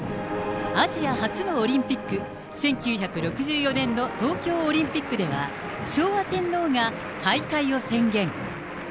アジア初のオリンピック、１９６４年の東京オリンピックでは、昭和天皇が開会を宣言。